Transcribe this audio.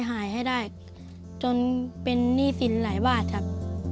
หลายปริมรหายละคราว